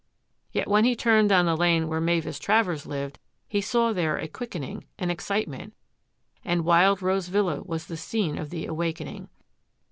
Yet when he turned down the lane where Mavis Travers lived, he saw there a quickening, an excitement, and Wild Rose Villa was the scene of the awakening.